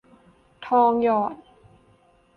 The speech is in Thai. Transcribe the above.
ทองหยอด